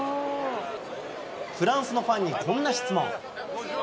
フランスのファンに、こんな質問。